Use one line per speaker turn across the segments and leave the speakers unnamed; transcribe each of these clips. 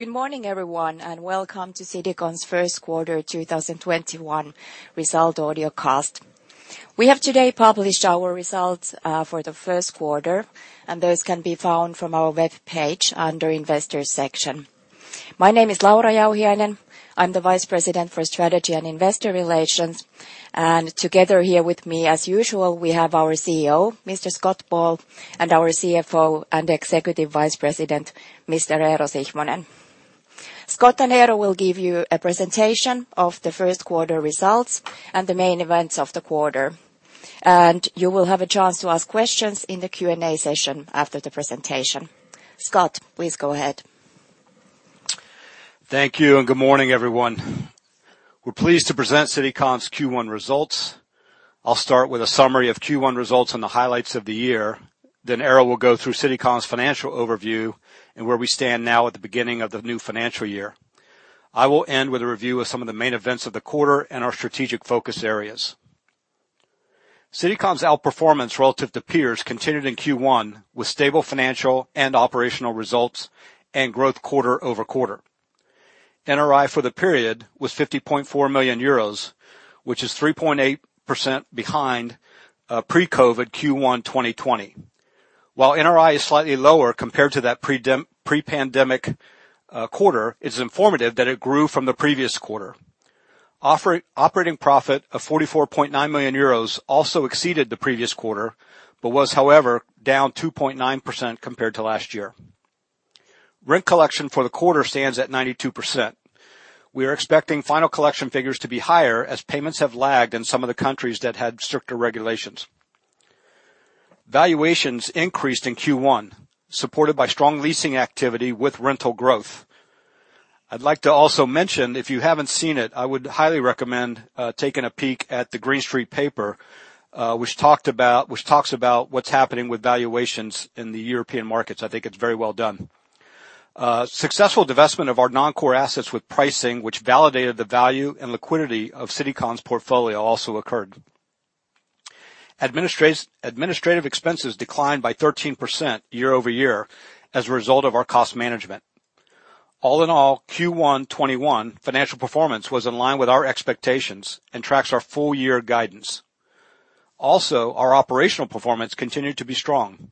Good morning, everyone, and welcome to Citycon's First Quarter 2021 Result Audiocast. We have today published our results for the first quarter, and those can be found from our webpage under Investors section. My name is Laura Jauhiainen. I'm the Vice President for Strategy and Investor Relations. Together here with me, as usual, we have our CEO, Mr. Scott Ball, and our CFO and Executive Vice President, Mr. Eero Sihvonen. Scott and Eero will give you a presentation of the first quarter results and the main events of the quarter. You will have a chance to ask questions in the Q&A session after the presentation. Scott, please go ahead.
Thank you, and good morning, everyone. We're pleased to present Citycon's Q1 results. I'll start with a summary of Q1 results and the highlights of the year. Eero will go through Citycon's financial overview and where we stand now at the beginning of the new financial year. I will end with a review of some of the main events of the quarter and our strategic focus areas. Citycon's outperformance relative to peers continued in Q1 with stable financial and operational results and growth quarter-over-quarter. NRI for the period was 50.4 million euros, which is 3.8% behind pre-COVID Q1 2020. While NRI is slightly lower compared to that pre-pandemic quarter, it's informative that it grew from the previous quarter. Operating profit of 44.9 million euros also exceeded the previous quarter, but was, however, down 2.9% compared to last year. Rent collection for the quarter stands at 92%. We are expecting final collection figures to be higher as payments have lagged in some of the countries that had stricter regulations. Valuations increased in Q1, supported by strong leasing activity with rental growth. I'd like to also mention, if you haven't seen it, I would highly recommend taking a peek at the Green Street paper, which talks about what's happening with valuations in the European markets. I think it's very well done. Successful divestment of our non-core assets with pricing, which validated the value and liquidity of Citycon's portfolio, also occurred. Administrative expenses declined by 13% year-over-year as a result of our cost management. All in all, Q1 2021 financial performance was in line with our expectations and tracks our full year guidance. Also, our operational performance continued to be strong.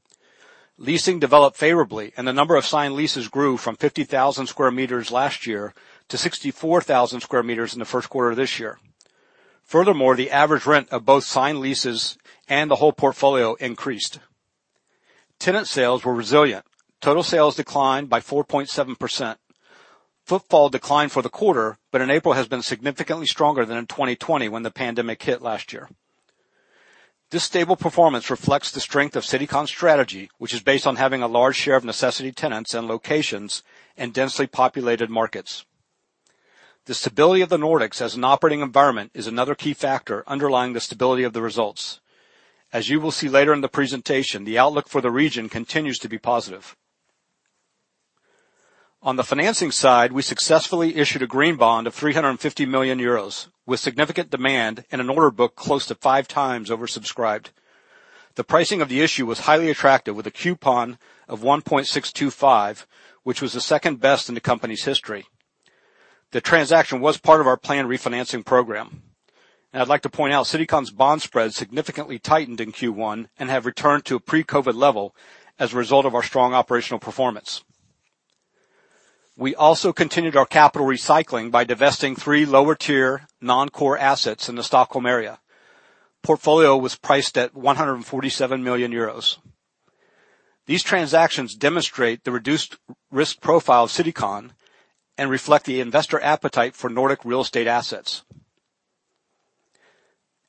Leasing developed favorably, and the number of signed leases grew from 50,000 square meters last year to 64,000 square meters in the first quarter of this year. Furthermore, the average rent of both signed leases and the whole portfolio increased. Tenant sales were resilient. Total sales declined by 4.7%. Footfall declined for the quarter, but in April has been significantly stronger than in 2020 when the pandemic hit last year. This stable performance reflects the strength of Citycon's strategy, which is based on having a large share of necessity tenants in locations in densely populated markets. The stability of the Nordics as an operating environment is another key factor underlying the stability of the results. As you will see later in the presentation, the outlook for the region continues to be positive. On the financing side, we successfully issued a green bond of 350 million euros with significant demand and an order book close to five times oversubscribed. The pricing of the issue was highly attractive with a coupon of 1.625, which was the second best in the company's history. The transaction was part of our planned refinancing program. I'd like to point out Citycon's bond spread significantly tightened in Q1 and have returned to a pre-COVID level as a result of our strong operational performance. We also continued our capital recycling by divesting three lower-tier, non-core assets in the Stockholm area. Portfolio was priced at 147 million euros. These transactions demonstrate the reduced risk profile of Citycon and reflect the investor appetite for Nordic real estate assets.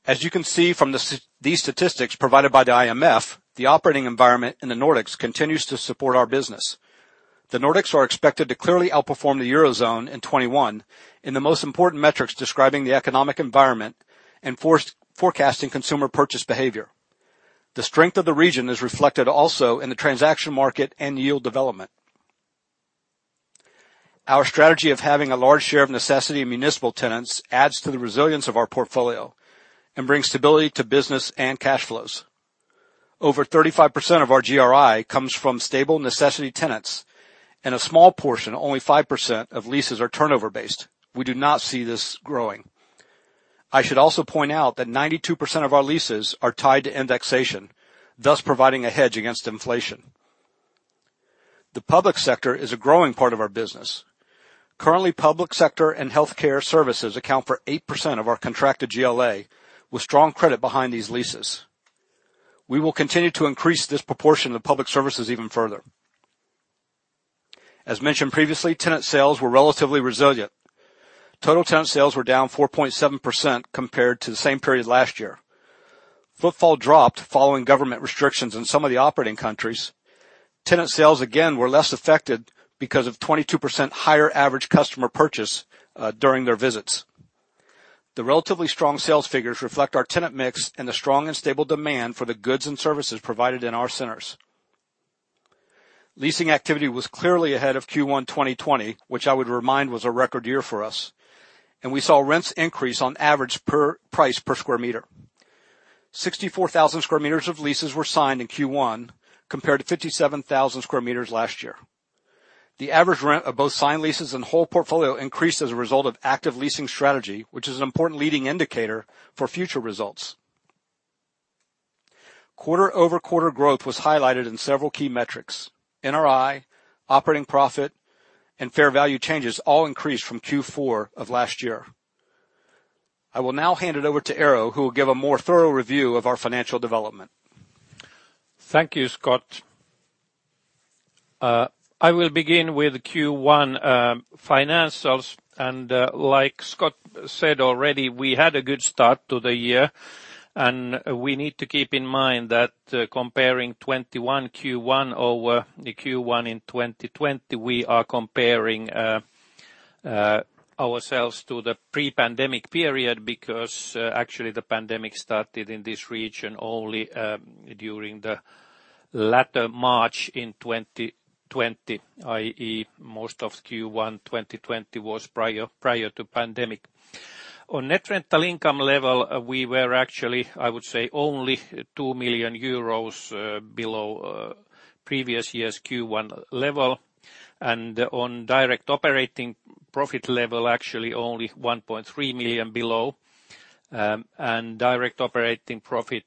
As you can see from these statistics provided by the IMF, the operating environment in the Nordics continues to support our business. The Nordics are expected to clearly outperform the Eurozone in 2021 in the most important metrics describing the economic environment and forecasting consumer purchase behavior. The strength of the region is reflected also in the transaction market and yield development. Our strategy of having a large share of necessity and municipal tenants adds to the resilience of our portfolio and brings stability to business and cash flows. Over 35% of our GRI comes from stable necessity tenants, and a small portion, only 5%, of leases are turnover-based. We do not see this growing. I should also point out that 92% of our leases are tied to indexation, thus providing a hedge against inflation. The public sector is a growing part of our business. Currently, public sector and healthcare services account for 8% of our contracted GLA, with strong credit behind these leases. We will continue to increase this proportion of public services even further. As mentioned previously, tenant sales were relatively resilient. Total tenant sales were down 4.7% compared to the same period last year. Footfall dropped following government restrictions in some of the operating countries. Tenant sales, again, were less affected because of 22% higher average customer purchase during their visits. The relatively strong sales figures reflect our tenant mix and the strong and stable demand for the goods and services provided in our centers. Leasing activity was clearly ahead of Q1 2020, which I would remind was a record year for us, and we saw rents increase on average per price per square meter. 64,000 square meters of leases were signed in Q1 compared to 57,000 square meters last year. The average rent of both signed leases and whole portfolio increased as a result of active leasing strategy, which is an important leading indicator for future results. Quarter-over-quarter growth was highlighted in several key metrics. NRI, operating profit, and fair value changes all increased from Q4 of last year. I will now hand it over to Eero, who will give a more thorough review of our financial development.
Thank you, Scott. I will begin with Q1 financials. Like Scott said already, we had a good start to the year, and we need to keep in mind that comparing 2021 Q1 over the Q1 2020, we are comparing ourselves to the pre-pandemic period because actually the pandemic started in this region only during the latter March in 2020, i.e., most of Q1 2020 was prior to pandemic. On net rental income level, we were actually, I would say, only 2 million euros below previous year's Q1 level, and on direct operating profit level, actually only 1.3 million below. Direct operating profit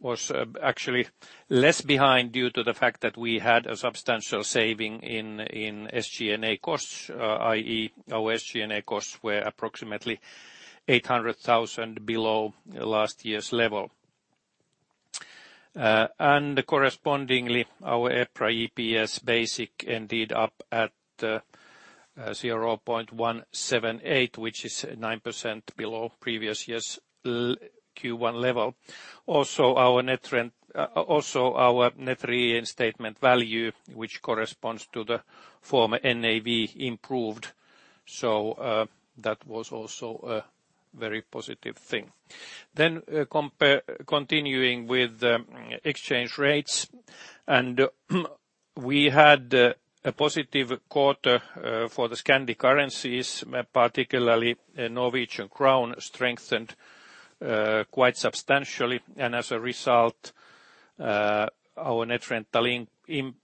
was actually less behind due to the fact that we had a substantial saving in SG&A costs, i.e., our SG&A costs were approximately 800,000 below last year's level. Correspondingly, our EPRA EPS basic ended up at 0.178, which is 9% below previous year's Q1 level. Also our Net Reinstatement Value, which corresponds to the former NAV improved. That was also a very positive thing. Continuing with exchange rates. We had a positive quarter for the Scandi currencies, particularly Norwegian crown strengthened quite substantially, and as a result, our net rental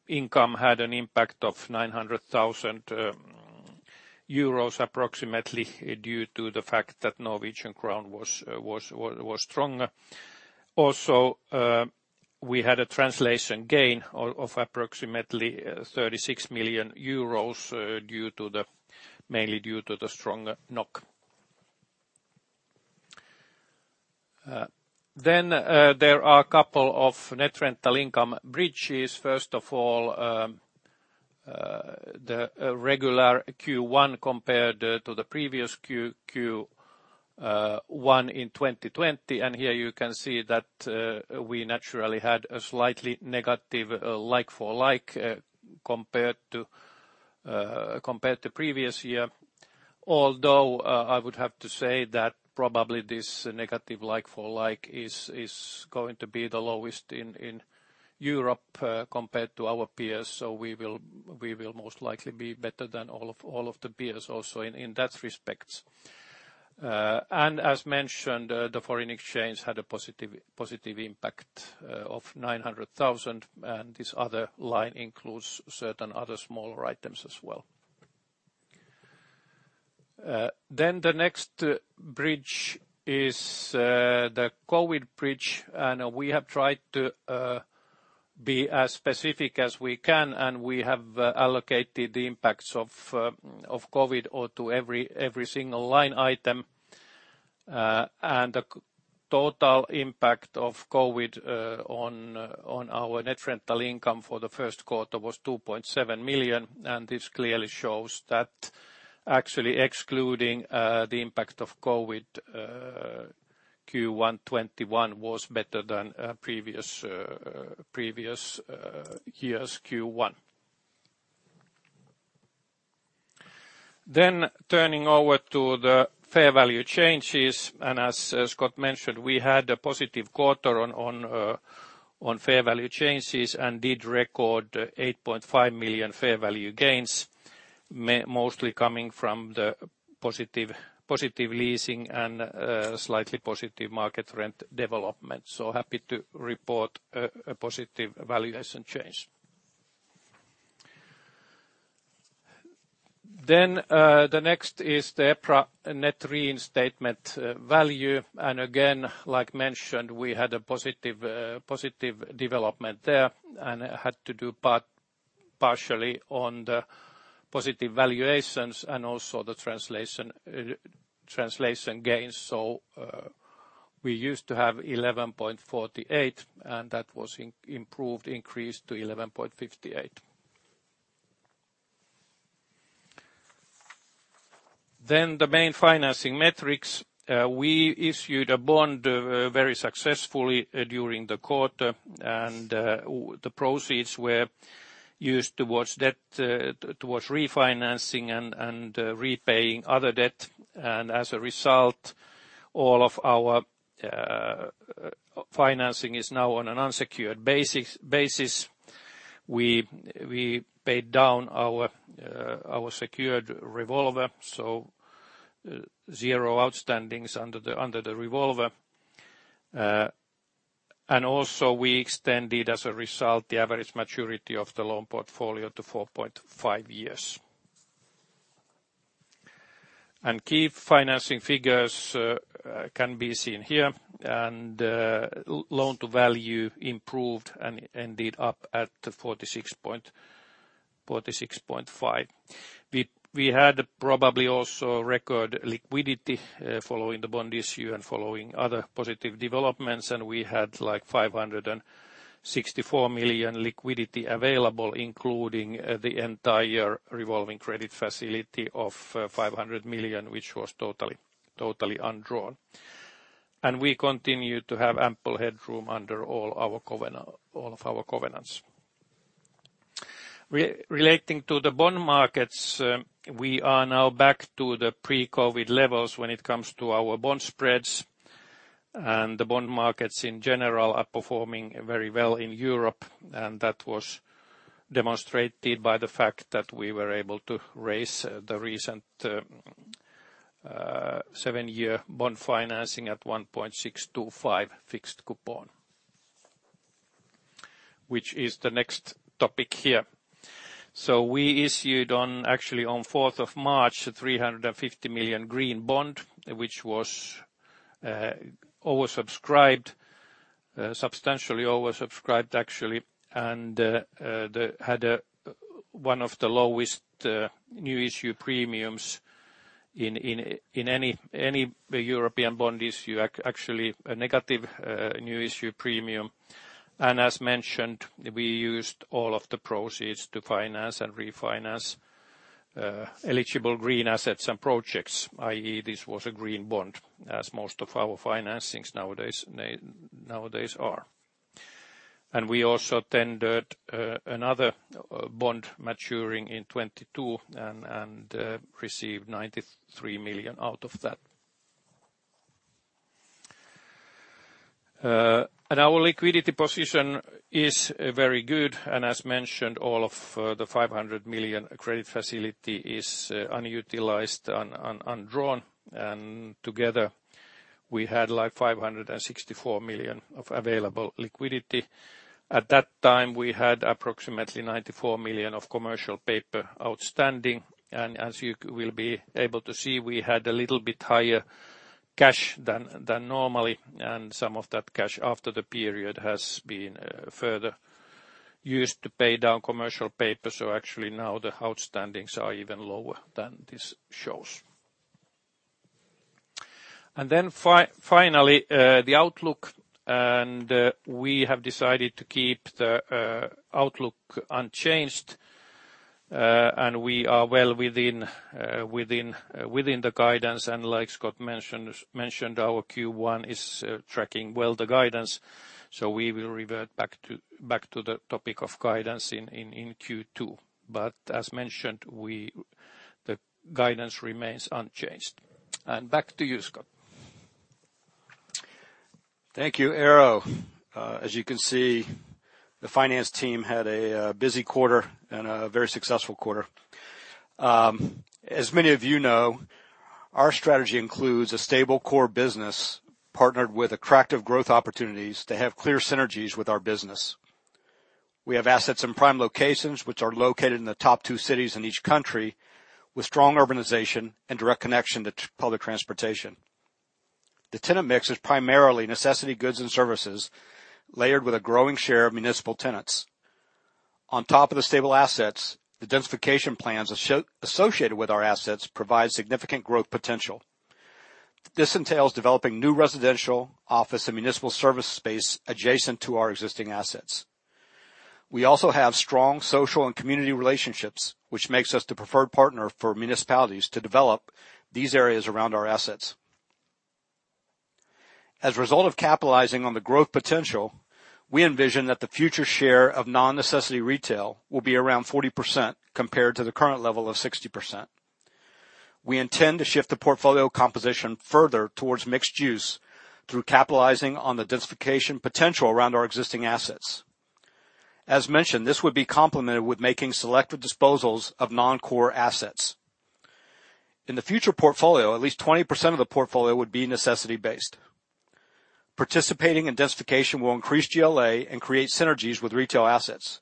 income had an impact of 900,000 euros approximately due to the fact that Norwegian crown was stronger. Also, we had a translation gain of approximately 36 million euros, mainly due to the stronger NOK. There are a couple of net rental income bridges. First of all, the regular Q1 compared to the previous Q1 in 2020. Here you can see that we naturally had a slightly negative like-for-like compared to previous year. Although, I would have to say that probably this negative like-for-like is going to be the lowest in Europe compared to our peers. We will most likely be better than all of the peers also in that respect. As mentioned, the foreign exchange had a positive impact of 900,000, and this other line includes certain other smaller items as well. The next bridge is the COVID bridge, and we have tried to be as specific as we can, and we have allocated the impacts of COVID or to every single line item. The total impact of COVID on our net rental income for the first quarter was 2.7 million, and this clearly shows that actually excluding the impact of COVID, Q1 2021 was better than previous year's Q1. Turning over to the fair value changes, as Scott mentioned, we had a positive quarter on fair value changes and did record 8.5 million fair value gains, mostly coming from the positive leasing and slightly positive market rent development. Happy to report a positive valuation change. The next is the EPRA Net Reinstatement Value. Again, like mentioned, we had a positive development there, and it had to do partially on the positive valuations and also the translation gains. We used to have 11.48, and that was improved, increased to 11.58. The main financing metrics. We issued a bond very successfully during the quarter, and the proceeds were used towards refinancing and repaying other debt. As a result, all of our financing is now on an unsecured basis. We paid down our secured revolver, so zero outstanding under the revolver. Also we extended, as a result, the average maturity of the loan portfolio to 4.5 years. Key financing figures can be seen here and loan-to-value improved and ended up at 46.5. We had probably also record liquidity following the bond issue and following other positive developments, and we had 564 million liquidity available, including the entire revolving credit facility of 500 million, which was totally undrawn. We continue to have ample headroom under all of our covenants. Relating to the bond markets, we are now back to the pre-COVID levels when it comes to our bond spreads, the bond markets in general are performing very well in Europe, and that was demonstrated by the fact that we were able to raise the recent seven-year bond financing at 1.625 fixed coupon. Which is the next topic here. We issued on, actually on 4th of March, 350 million green bond, which was oversubscribed, substantially oversubscribed actually, and had one of the lowest new issue premiums in any European bond issue, actually a negative new issue premium. As mentioned, we used all of the proceeds to finance and refinance eligible green assets and projects, i.e., this was a green bond, as most of our financings nowadays are. We also tendered another bond maturing in 2022 and received 93 million out of that. Our liquidity position is very good, and as mentioned, all of the 500 million credit facility is unutilized and undrawn, and together we had 564 million of available liquidity. At that time, we had approximately 94 million of commercial paper outstanding. As you will be able to see, we had a little bit higher cash than normally. Some of that cash after the period has been further used to pay down commercial paper. Actually now the outstanding are even lower than this shows. Finally, the outlook. We have decided to keep the outlook unchanged. We are well within the guidance. Like Scott mentioned, our Q1 is tracking well the guidance. We will revert back to the topic of guidance in Q2. As mentioned, the guidance remains unchanged. Back to you, Scott.
Thank you, Eero. As you can see, the finance team had a busy quarter and a very successful quarter. As many of you know, our strategy includes a stable core business partnered with attractive growth opportunities that have clear synergies with our business. We have assets in prime locations which are located in the top two cities in each country with strong urbanization and direct connection to public transportation. The tenant mix is primarily necessity goods and services, layered with a growing share of municipal tenants. On top of the stable assets, the densification plans associated with our assets provide significant growth potential. This entails developing new residential, office, and municipal service space adjacent to our existing assets. We also have strong social and community relationships, which makes us the preferred partner for municipalities to develop these areas around our assets. As a result of capitalizing on the growth potential, we envision that the future share of non-necessity retail will be around 40%, compared to the current level of 60%. We intend to shift the portfolio composition further towards mixed use through capitalizing on the densification potential around our existing assets. As mentioned, this would be complemented with making selective disposals of non-core assets. In the future portfolio, at least 20% of the portfolio would be necessity-based. Participating in densification will increase GLA and create synergies with retail assets.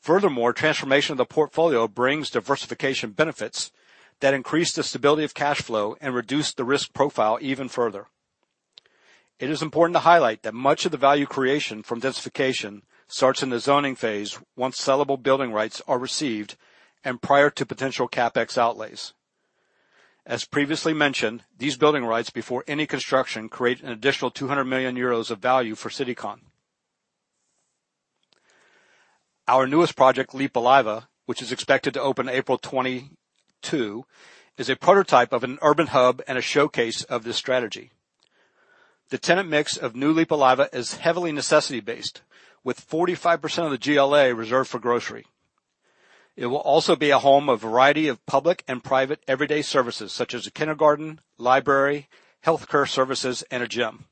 Furthermore, transformation of the portfolio brings diversification benefits that increase the stability of cash flow and reduce the risk profile even further. It is important to highlight that much of the value creation from densification starts in the zoning phase, once sellable building rights are received and prior to potential CapEx outlays. As previously mentioned, these building rights before any construction create an additional 200 million euros of value for Citycon. Our newest project, Lippulaiva, which is expected to open April 2022, is a prototype of an urban hub and a showcase of this strategy. The tenant mix of new Lippulaiva is heavily necessity-based, with 45% of the GLA reserved for grocery. It will also be a home of a variety of public and private everyday services, such as a kindergarten, library, healthcare services, and a gym.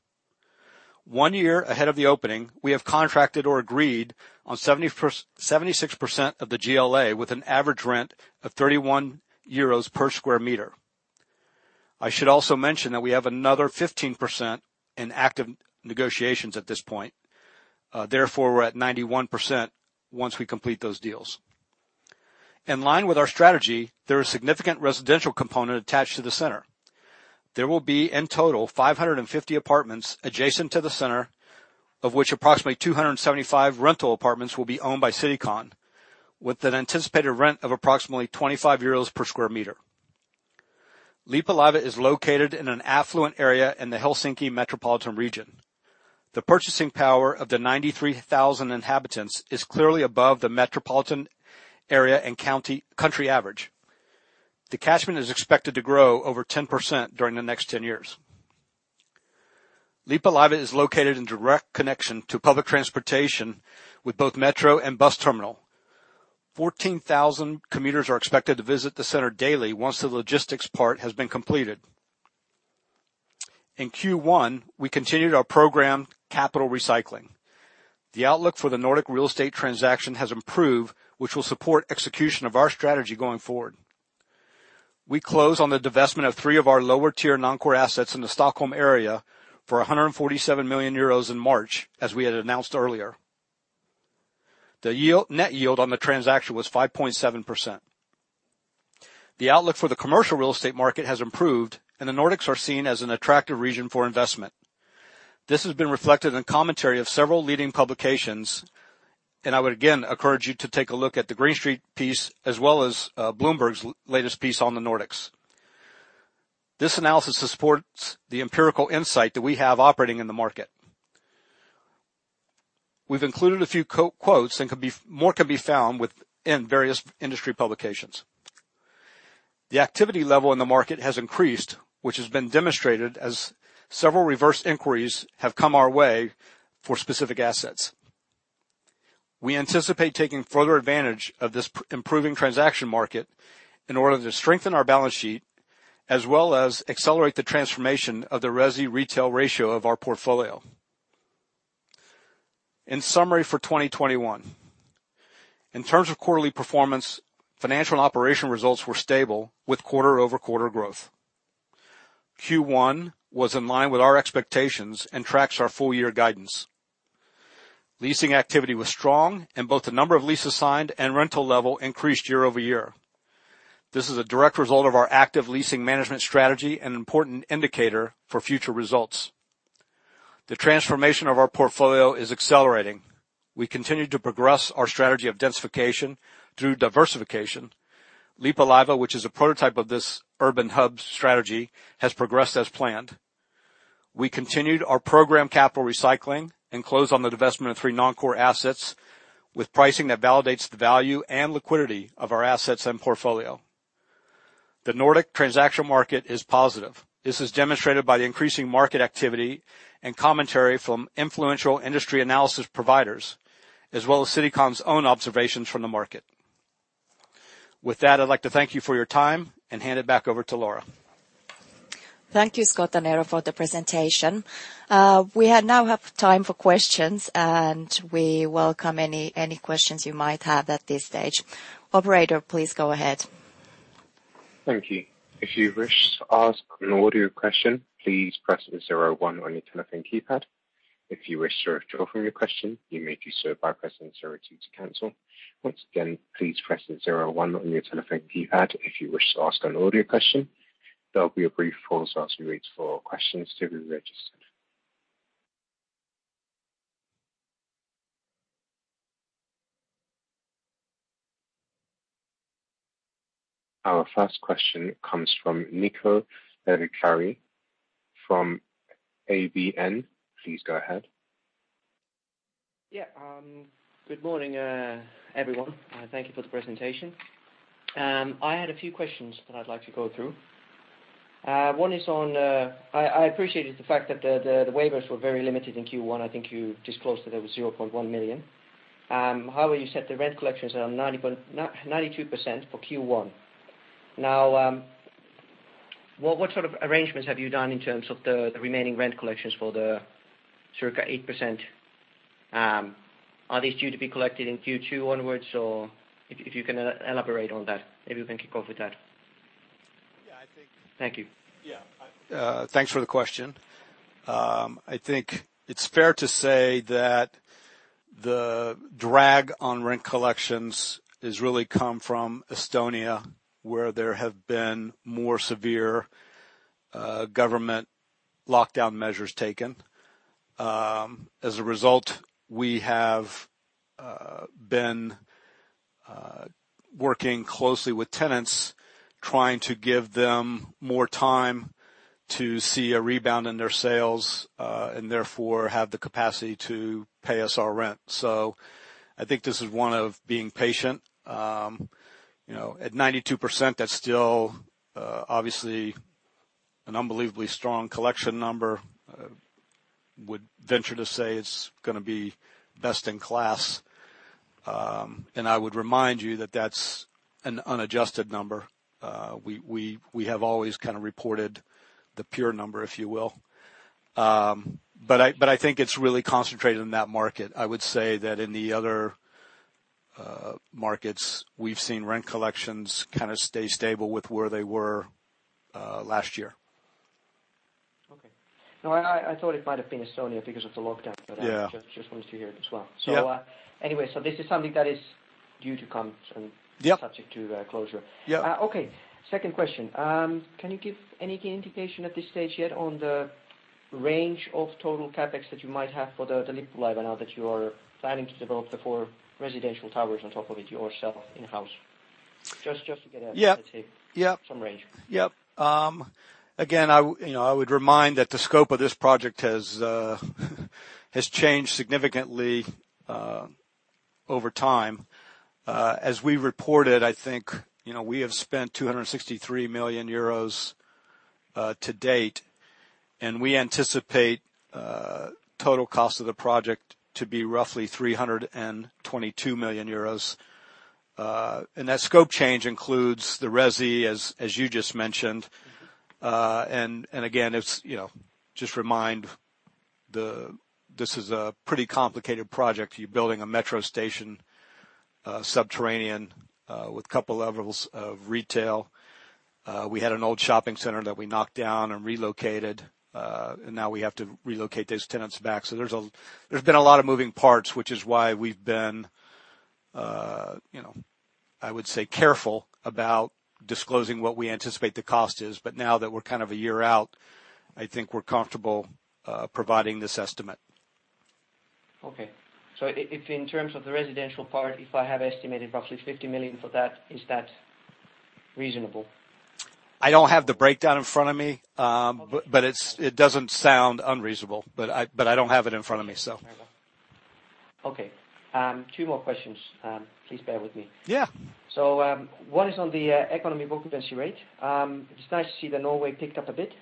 One year ahead of the opening, we have contracted or agreed on 76% of the GLA with an average rent of 31 euros per sq m. I should also mention that we have another 15% in active negotiations at this point. Therefore, we're at 91% once we complete those deals. In line with our strategy, there is significant residential component attached to the center. There will be, in total, 550 apartments adjacent to the center, of which approximately 275 rental apartments will be owned by Citycon, with an anticipated rent of approximately 25 euros per square meter. Lippulaiva is located in an affluent area in the Helsinki metropolitan region. The purchasing power of the 93,000 inhabitants is clearly above the metropolitan area and country average. The catchment is expected to grow over 10% during the next 10 years. Lippulaiva is located in direct connection to public transportation with both metro and bus terminal. 14,000 commuters are expected to visit the center daily once the logistics part has been completed. In Q1, we continued our program, Capital Recycling. The outlook for the Nordic real estate transaction has improved, which will support execution of our strategy going forward. We closed on the divestment of three of our lower tier non-core assets in the Stockholm area for 147 million euros in March, as we had announced earlier. The net yield on the transaction was 5.7%. The outlook for the commercial real estate market has improved. The Nordics are seen as an attractive region for investment. This has been reflected in commentary of several leading publications. I would again encourage you to take a look at the Green Street piece as well as Bloomberg's latest piece on the Nordics. This analysis supports the empirical insight that we have operating in the market. We've included a few quotes. More can be found within various industry publications. The activity level in the market has increased, which has been demonstrated as several reverse inquiries have come our way for specific assets. We anticipate taking further advantage of this improving transaction market in order to strengthen our balance sheet, as well as accelerate the transformation of the resi-retail ratio of our portfolio. In summary, for 2021, in terms of quarterly performance, financial and operation results were stable with quarter-over-quarter growth. Q1 was in line with our expectations and tracks our full year guidance. Leasing activity was strong, and both the number of leases signed and rental level increased year-over-year. This is a direct result of our active leasing management strategy and an important indicator for future results. The transformation of our portfolio is accelerating. We continue to progress our strategy of densification through diversification. Lippulaiva, which is a prototype of this urban hub strategy, has progressed as planned. We continued our program, Capital Recycling, and closed on the divestment of three non-core assets with pricing that validates the value and liquidity of our assets and portfolio. The Nordic transaction market is positive. This is demonstrated by the increasing market activity and commentary from influential industry analysis providers, as well as Citycon's own observations from the market. With that, I'd like to thank you for your time and hand it back over to Laura.
Thank you, Scott and Eero, for the presentation. We now have time for questions, and we welcome any questions you might have at this stage. Operator, please go ahead.
Thank you, if you wish to ask a question, please press zero one on your telephone keypad. [inaudible] Please press zero one to ask your question. Standby as we wait for questions [inaudible] Thank you. Our first question comes from Niko Levikari from ABN. Please go ahead.
Yeah. Good morning, everyone. Thank you for the presentation. I had a few questions that I'd like to go through. One, I appreciated the fact that the waivers were very limited in Q1. I think you disclosed that there was 0.1 million. However, you set the rent collections at 92% for Q1. Now, what sort of arrangements have you done in terms of the remaining rent collections for the circa 8%? Are these due to be collected in Q2 onwards? If you can elaborate on that, maybe we can kick off with that.
Yeah, I think—
Thank you.
Yeah. Thanks for the question. I think it's fair to say that the drag on rent collections has really come from Estonia, where there have been more severe government lockdown measures taken. As a result, we have been working closely with tenants, trying to give them more time to see a rebound in their sales, and therefore have the capacity to pay us our rent. I think this is one of being patient. At 92%, that's still obviously an unbelievably strong collection number. Would venture to say it's going to be best in class. I would remind you that that's an unadjusted number. We have always kind of reported the pure number, if you will. I think it's really concentrated in that market. I would say that in the other markets, we've seen rent collections kind of stay stable with where they were last year.
Okay. I thought it might have been Estonia because of the lockdown.
Yeah.
I just wanted to hear it as well.
Yeah.
Anyway, this is something that is.
Yeah
subject to closure.
Yeah.
Okay. Second question. Can you give any indication at this stage yet on the range of total CapEx that you might have for the Lippulaiva now that you are planning to develop the four residential towers on top of it yourself in-house? Just to get a—
Yeah.
—let's say, some range.
Yep. Again, I would remind that the scope of this project has changed significantly over time. As we reported, I think, we have spent 263 million euros to date, and we anticipate total cost of the project to be roughly 322 million euros. That scope change includes the resi, as you just mentioned. Again, just remind, this is a pretty complicated project. You're building a metro station, subterranean, with couple levels of retail. We had an old shopping center that we knocked down and relocated. Now we have to relocate those tenants back. There's been a lot of moving parts, which is why we've been, I would say, careful about disclosing what we anticipate the cost is. Now that we're kind of a year out, I think we're comfortable providing this estimate.
Okay. If in terms of the residential part, if I have estimated roughly 50 million for that, is that reasonable?
I don't have the breakdown in front of me.
Okay.
It doesn't sound unreasonable. I don't have it in front of me, so.
Fair enough. Okay. Two more questions. Please bear with me.
Yeah.
One is on the economic occupancy rate. It's nice to see that Norway picked up a bit.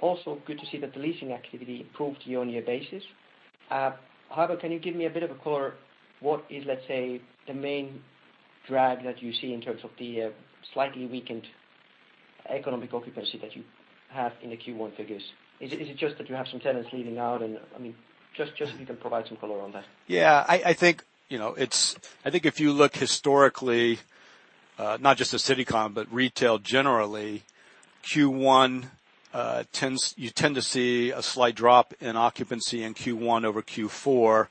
Also good to see that the leasing activity improved year-on-year basis. However, can you give me a bit of a color, what is, let's say, the main drag that you see in terms of the slightly weakened economic occupancy that you have in the Q1 figures? Is it just that you have some tenants leaving out and I mean, just if you can provide some color on that.
Yeah. I think if you look historically, not just to Citycon, but retail generally, you tend to see a slight drop in occupancy in Q1 over Q4.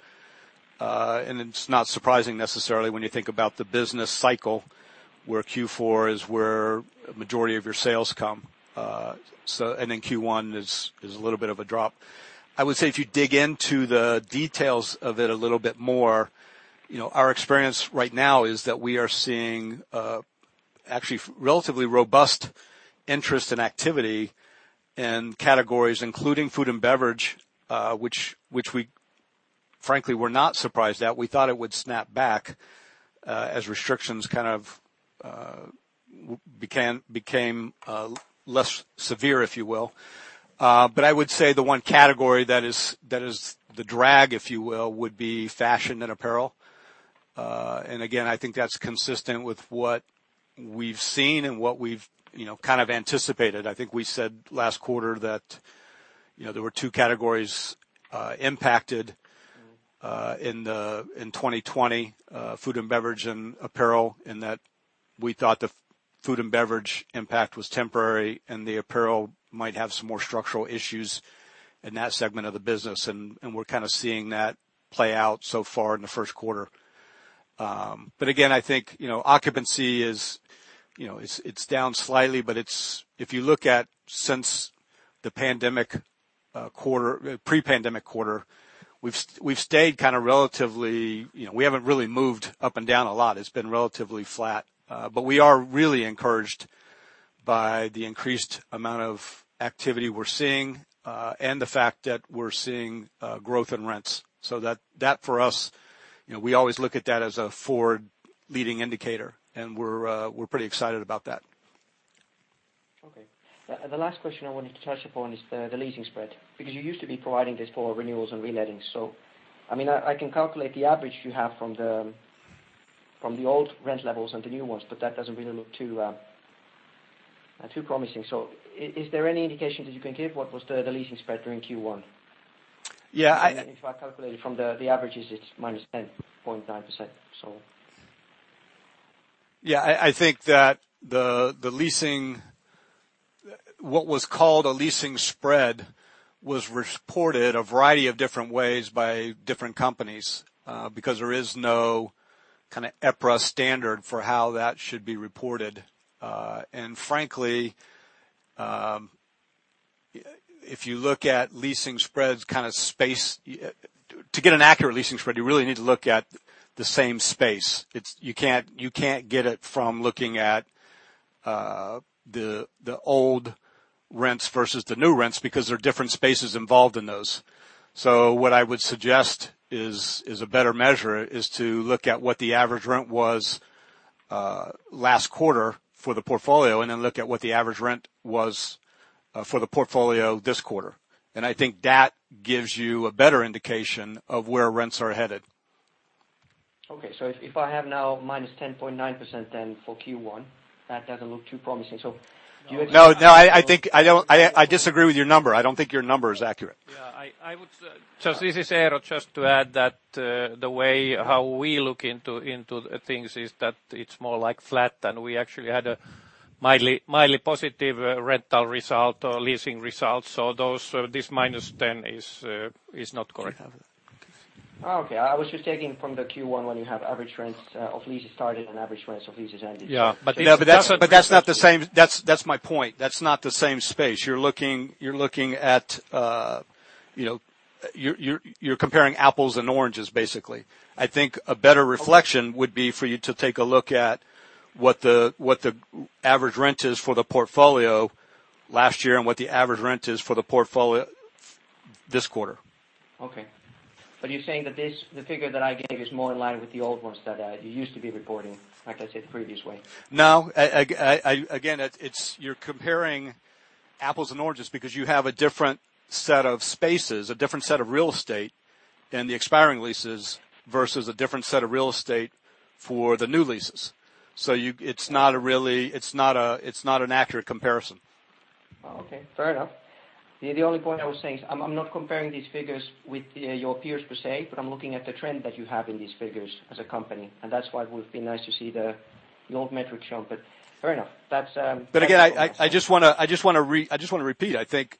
It's not surprising necessarily when you think about the business cycle, where Q4 is where majority of your sales come. Q1 is a little bit of a drop. I would say if you dig into the details of it a little bit more, our experience right now is that we are seeing actually relatively robust interest and activity in categories including food and beverage, which we frankly were not surprised at. We thought it would snap back as restrictions kind of became less severe, if you will. I would say the one category that is the drag, if you will, would be fashion and apparel. Again, I think that's consistent with what we've seen and what we've kind of anticipated. I think we said last quarter that there were two categories impacted in 2020, food and beverage and apparel, and that we thought the food and beverage impact was temporary, and the apparel might have some more structural issues in that segment of the business. We're kind of seeing that play out so far in the first quarter. Again, I think occupancy, it's down slightly, but if you look at since the pre-pandemic quarter, we haven't really moved up and down a lot. It's been relatively flat. We are really encouraged by the increased amount of activity we're seeing, and the fact that we're seeing growth in rents. That for us, we always look at that as a forward leading indicator, and we're pretty excited about that.
Okay. The last question I wanted to touch upon is the leasing spread. You used to be providing this for renewals and reletting. I mean, I can calculate the average you have from the old rent levels and the new ones, but that doesn't really look too promising. Is there any indication that you can give what was the leasing spread during Q1?
Yeah.
If I calculate it from the averages, it's -10.9%, so
Yeah, I think that what was called a leasing spread was reported a variety of different ways by different companies. There is no kind of EPRA standard for how that should be reported. Frankly, if you look at leasing spreads, to get an accurate leasing spread, you really need to look at the same space. You can't get it from looking at the old rents versus the new rents because there are different spaces involved in those. What I would suggest is a better measure is to look at what the average rent was last quarter for the portfolio, then look at what the average rent was for the portfolio this quarter. I think that gives you a better indication of where rents are headed.
Okay. If I have now minus 10.9% then for Q1, that doesn't look too promising.
No, I disagree with your number. I don't think your number is accurate.
Yeah. This is Eero. Just to add that the way how we look into things is that it's more like flat, and we actually had a mildly positive rental result or leasing result. This minus 10 is not correct.
Okay. I was just taking from the Q1 when you have average rents of leases started and average rents of leases ended.
Yeah. That's not the same. That's my point. That's not the same space. You're comparing apples and oranges, basically. I think a better reflection would be for you to take a look at what the average rent is for the portfolio last year and what the average rent is for the portfolio this quarter.
Okay. You're saying that the figure that I gave is more in line with the old ones that you used to be reporting, like I said, previously?
No. Again, you're comparing apples and oranges because you have a different set of spaces, a different set of real estate in the expiring leases versus a different set of real estate for the new leases. It's not an accurate comparison.
Okay. Fair enough. The only point I was saying is, I'm not comparing these figures with your peers per se, but I'm looking at the trend that you have in these figures as a company, and that's why it would've been nice to see the old metrics shown, but fair enough.
Again, I just want to repeat. I think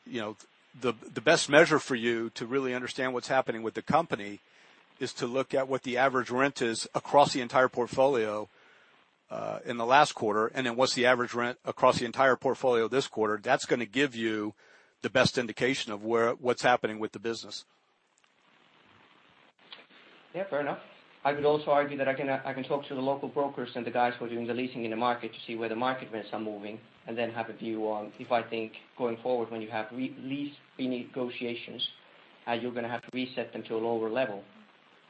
the best measure for you to really understand what is happening with the company is to look at what the average rent is across the entire portfolio in the last quarter, and then what is the average rent across the entire portfolio this quarter. That is going to give you the best indication of what is happening with the business.
Yeah. Fair enough. I would also argue that I can talk to the local brokers and the guys who are doing the leasing in the market to see where the market rents are moving, and then have a view on if I think, going forward, when you have lease renegotiations, you're going to have to reset them to a lower level.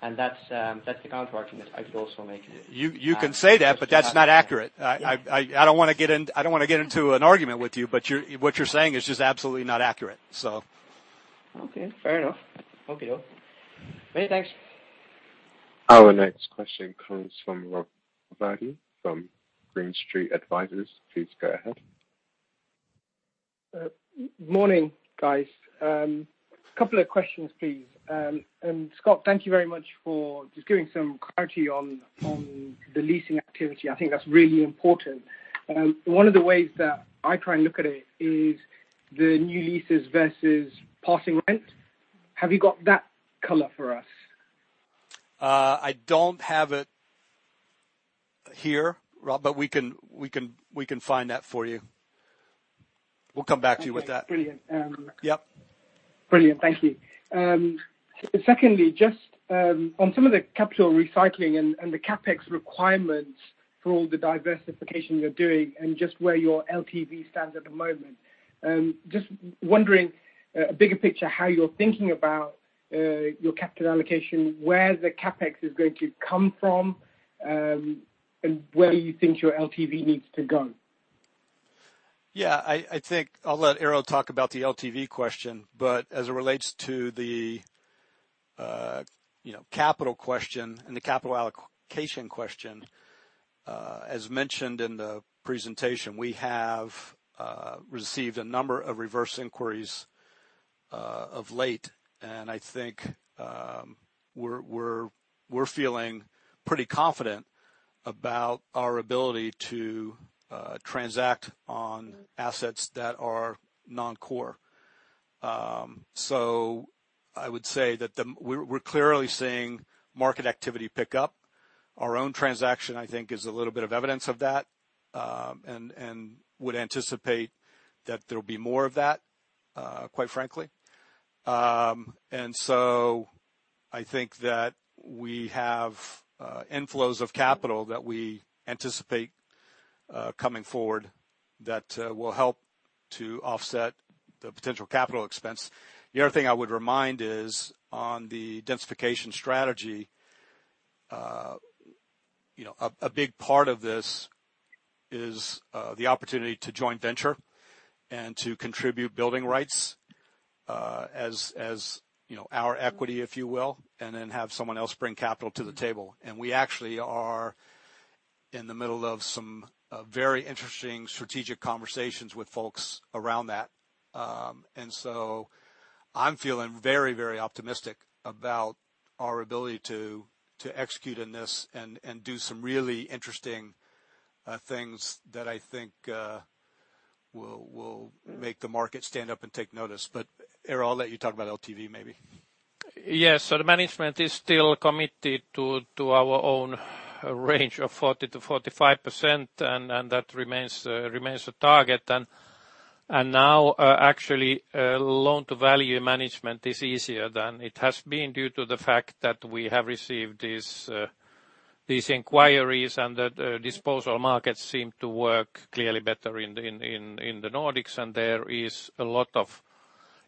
That's the counterargument I could also make.
You can say that, but that's not accurate. I don't want to get into an argument with you, but what you're saying is just absolutely not accurate.
Okay. Fair enough.
Okey Niko.
Many thanks.
Our next question comes from Rob Virdee from Green Street Advisors. Please go ahead.
Morning, guys. Couple of questions, please. Scott, thank you very much for just giving some clarity on the leasing activity. I think that's really important. One of the ways that I try and look at it is the new leases versus passing rent. Have you got that color for us?
I don't have it here, Rob, but we can find that for you. We'll come back to you with that.
Okay. Brilliant.
Yep.
Brilliant. Thank you. Secondly, just on some of the capital recycling and the CapEx requirements for all the densification you're doing and just where your LTV stands at the moment. Just wondering, bigger picture, how you're thinking about your capital allocation, where the CapEx is going to come from, and where you think your LTV needs to go.
Yeah. I think I'll let Eero talk about the LTV question, but as it relates to the capital question and the capital allocation question, as mentioned in the presentation, we have received a number of reverse inquiries of late, and I think we're feeling pretty confident about our ability to transact on assets that are non-core. So I would say that we're clearly seeing market activity pick up. Our own transaction, I think, is a little bit of evidence of that, and would anticipate that there'll be more of that, quite frankly. I think that we have inflows of capital that we anticipate coming forward that will help to offset the potential capital expense. The other thing I would remind is on the densification strategy. A big part of this is the opportunity to joint venture and to contribute building rights as our equity, if you will, and then have someone else bring capital to the table. We actually are in the middle of some very interesting strategic conversations with folks around that. I'm feeling very, very optimistic about our ability to execute in this and do some really interesting things that I think will make the market stand up and take notice. Eero, I'll let you talk about LTV, maybe.
Yes. The management is still committed to our own range of 40%-45%, and that remains the target. Now, actually, loan-to-value management is easier than it has been due to the fact that we have received these inquiries and that disposal markets seem to work clearly better in the Nordics, and there is a lot of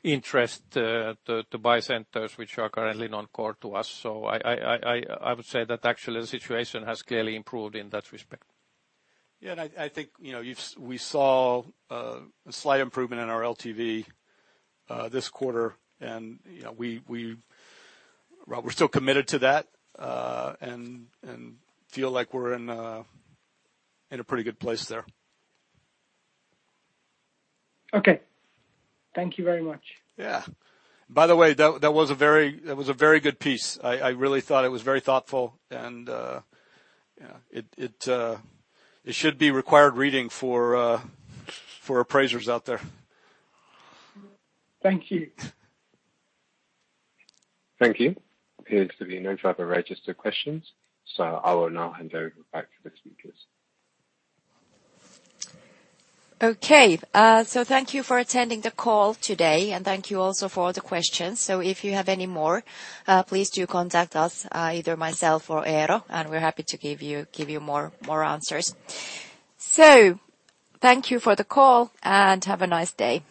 interest to buy centers which are currently non-core to us. I would say that actually, the situation has clearly improved in that respect.
Yeah. I think we saw a slight improvement in our LTV this quarter, and we're still committed to that, and feel like we're in a pretty good place there.
Okay. Thank you very much.
Yeah. By the way, that was a very good piece. I really thought it was very thoughtful and it should be required reading for appraisers out there.
Thank you.
Thank you. Appears to be no further registered questions, so I will now hand it over back to the speakers.
Okay. Thank you for attending the call today, and thank you also for all the questions. If you have any more, please do contact us, either myself or Eero, and we're happy to give you more answers. Thank you for the call, and have a nice day.